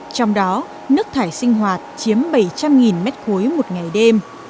trong đó nước thải sinh hoạt chiếm bảy trăm linh m ba một ngày đêm